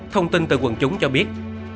thông tin từ quần chúng cho biết